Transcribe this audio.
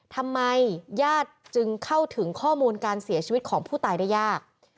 ทำไมญาติจึงเข้าถึงข้อมูลการเสียชีวิตของผู้ตายได้ยาก